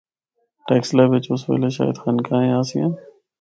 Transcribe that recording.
ٹیکسلا بچ اُس ویلے شاید خانقاہیں آسیاں۔